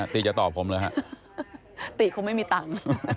ตี๋คงไม่มีตังค์